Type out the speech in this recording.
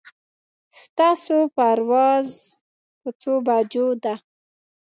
ستاسو پرواز په څو بجو ده